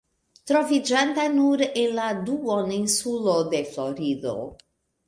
Troviĝanta nur en la duoninsulo de Florido.